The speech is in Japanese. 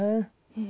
うん。